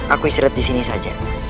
aku istirahat di sini saja